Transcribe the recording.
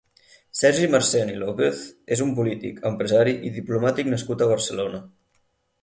Sergi Marcén i López és un polític, empresari i diplomàtic nascut a Barcelona.